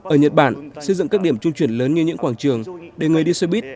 ở nhật bản xây dựng các điểm trung chuyển lớn như những quảng trường để người đi xe buýt